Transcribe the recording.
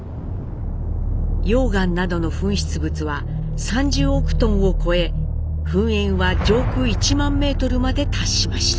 溶岩などの噴出物は３０億トンを超え噴煙は上空１万メートルまで達しました。